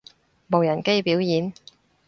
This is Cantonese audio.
無人機表演